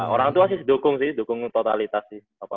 orang tua sih dukung sih dukung totalitas sih